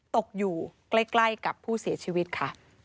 ตกอยู่ใกล้กับผู้เสียชีวิตค่ะ